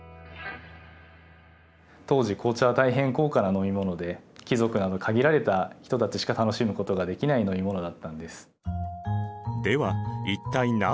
当時紅茶は大変高価な飲み物で貴族など限られた人たちしか楽しむことができない飲み物だったんです。